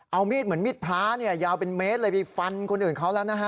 เอามีดเหมือนมีดพ้ายาวเป็นเมตรเลยไปฟันคนอื่นค